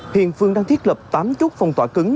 hiện phường đang thiết lập tám chút phòng tỏa cứng